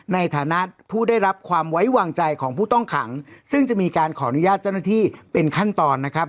ในฐานะผู้ได้รับความไว้วางใจของผู้ต้องขังซึ่งจะมีการขออนุญาตเจ้าหน้าที่เป็นขั้นตอนนะครับ